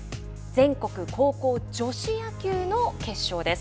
全国高校女子野球の決勝です。